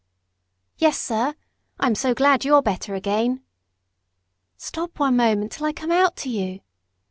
"Yes, sir. I am so glad you're better again." "Stop one minute till I come out to you."